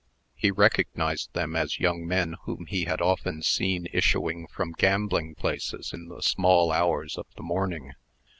He recognized them as young men whom he had often seen issuing from gambling places in the small hours of the morning.